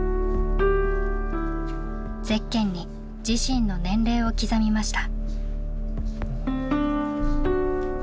ゼッケンに自身の年齢を刻みました。